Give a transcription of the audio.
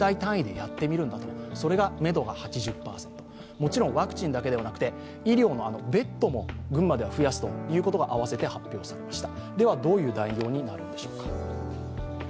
もちろんワクチンだけではなくて医療のベッドも群馬では増やすということが合わせて発表されました。